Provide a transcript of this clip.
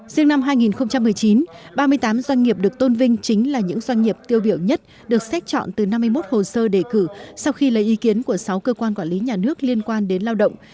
riêng năm hai nghìn một mươi chín ba mươi tám doanh nghiệp được tôn vinh chính là những doanh nghiệp tiêu biểu nhất được xét chọn từ năm mươi một hồ sơ đề cử sau khi lấy ý kiến của sáu cơ quan quản lý nhà nước liên quan đến lao động